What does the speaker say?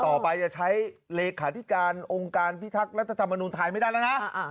ต่อไปจะใช้เลขาธิการองค์การพิทักษ์รัฐธรรมนุนไทยไม่ได้แล้วนะ